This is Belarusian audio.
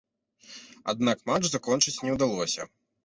Аднак матч закончыць не ўдалося.